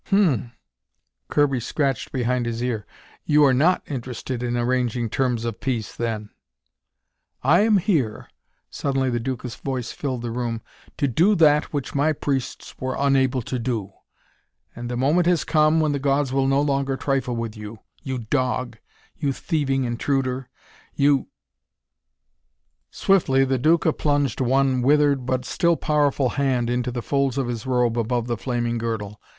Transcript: "Hum." Kirby scratched behind his ear. "You are not interested in arranging terms of peace, then." "I am here," suddenly the Duca's voice filled the room "to do that which my priests were unable to do. And the moment has come when the Gods will no longer trifle with you. You dog! You thieving intruder! You " Swiftly the Duca plunged one withered but still powerful hand into the folds of his robe above the flaming girdle.